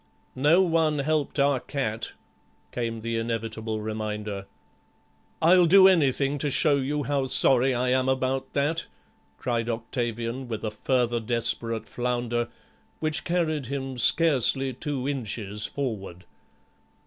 "No one helped our cat," came the inevitable reminder. "I'll do anything to show you how sorry I am about that," cried Octavian, with a further desperate flounder, which carried him scarcely two inches forward.